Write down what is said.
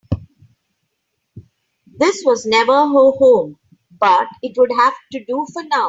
This was never her home, but it would have to do for now.